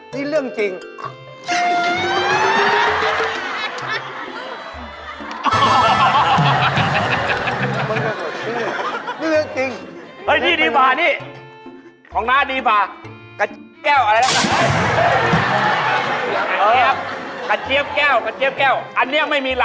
เดี๋ยวไปเข้าเวรต่อใช่ไหม